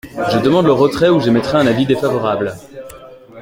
Je demande le retrait ou j’émettrai un avis défavorable.